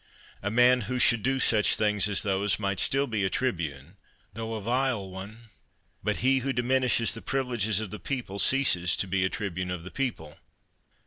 A man who should do such things as those, might still be a tribune, though a vile one; but he who diminishes the privileges of the people, ceases to be a tribune of the people.